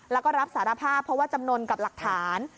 แล้วก็รับสารภาพเพราะว่าจำนวนกับหลักฐาน